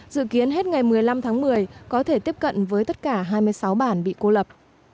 dự kiến hết ngày một mươi năm tháng một mươi có thể tiếp cận với tất cả hai mươi sáu bản bị cô lập